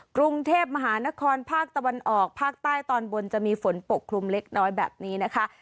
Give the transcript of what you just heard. กรุงเทพมหานครภาคตะวันออกภาคใต้ตอนบนจะมีฝนปกคลุมเล็กน้อยแบบนี้นะคะ